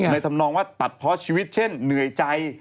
ทำนองว่าตัดเพราะชีวิตเช่นเหนื่อยใจ